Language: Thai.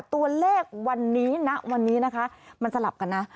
ตัวเลขวันนี้ณวันนี้นะคะมันสลับกันนะ